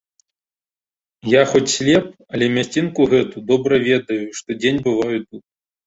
Я хоць слеп, але мясцінку гэту добра ведаю, штодзень бываю тут.